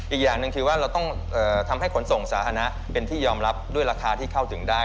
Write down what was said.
อีกอย่างหนึ่งคือว่าเราต้องทำให้ขนส่งสาธารณะเป็นที่ยอมรับด้วยราคาที่เข้าถึงได้